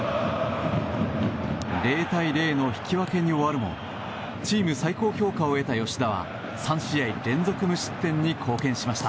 ０対０の引き分けに終わるもチーム最高評価を得た吉田は３試合連続無失点に貢献しました。